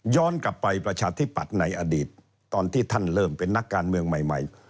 กลับไปประชาธิปัตย์ในอดีตตอนที่ท่านเริ่มเป็นนักการเมืองใหม่